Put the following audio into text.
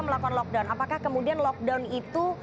melakukan lockdown apakah kemudian lockdown itu